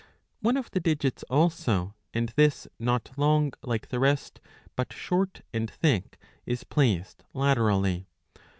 One of the digits also, and this not long like the rest but short and thick, is placed laterally.